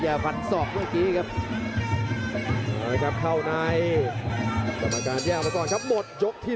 กำมัดสำนักด้านเข้ามาก่อนครับหมดยกที่๑